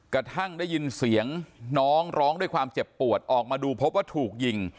กระทั่งได้ยินเสียงน้องร้องด้วยความเจ็บปวดออกมาดูพบว่าถูกยิง